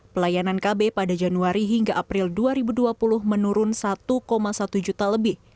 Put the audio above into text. pelayanan kb pada januari hingga april dua ribu dua puluh menurun satu satu juta lebih